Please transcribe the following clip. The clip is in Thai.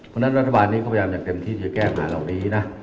เพราะนั้นนุษย์บาลนี้ก็พยายามจะเต็มที่จะแก้เบาะนี้นะ